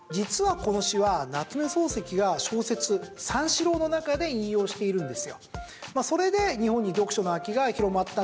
実は夏目漱石の小説「三四郎」の中で引用しているんです。